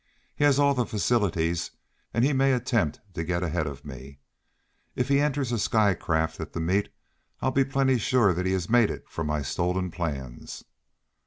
He has all the facilities, and he may attempt to get ahead of me. If he enters a sky craft at the meet I'll be pretty sure that he has made it from my stolen plans."